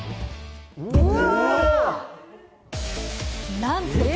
うわ！